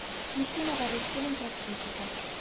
Nessuna variazione in classifica.